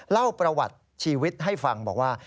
เล่าประวัติชีวิตให้ฟังบอกว่า